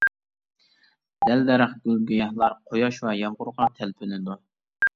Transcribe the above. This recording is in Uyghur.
دەل-دەرەخ، گۈل-گىياھلار قۇياش ۋە يامغۇرغا تەلپۈنىدۇ.